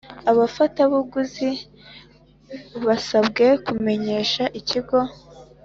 Abafatabuguzi basabwe kumenyesha ikigo